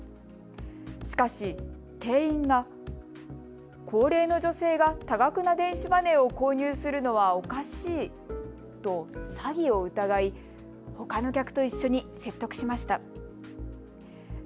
しかし店員が高齢の女性が多額な電子マネーを購入するのはおかしいと詐欺を疑いほかの客と一緒に説得しました。